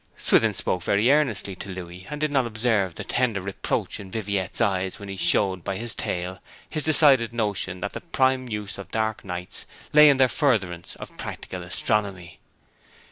Swithin spoke very earnestly to Louis, and did not observe the tender reproach in Viviette's eyes when he showed by his tale his decided notion that the prime use of dark nights lay in their furtherance of practical astronomy.